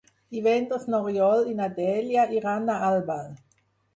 Divendres n'Oriol i na Dèlia iran a Albal.